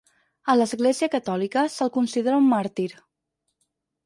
A l'Església Catòlica, se'l considera un màrtir.